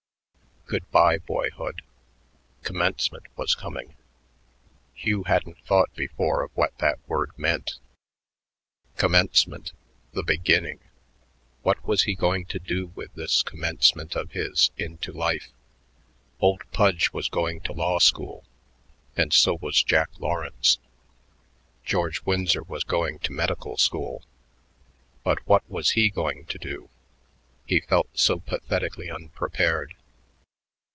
Good by, boyhood.... Commencement was coming. Hugh hadn't thought before of what that word meant. Commencement! The beginning. What was he going to do with this commencement of his into life? Old Pudge was going to law school and so was Jack Lawrence. George Winsor was going to medical school. But what was he going to do? He felt so pathetically unprepared.